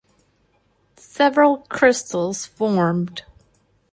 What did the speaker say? Several crystals formed.